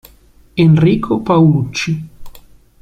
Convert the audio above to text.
Enrico Paulucci.